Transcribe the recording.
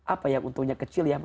apa yang untungnya kecil ya